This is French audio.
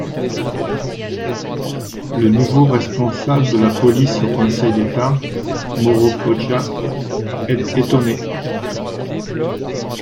Le nouveau responsable de la police au Conseil d’État, Mauro Poggia, est étonné.